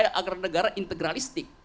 jadi itu agar negara negara yang integralistik